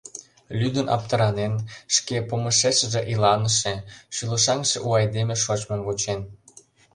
Лӱдын-аптыранен, шке помышешыже иланыше, шӱлышаҥше у айдеме шочмым вучен.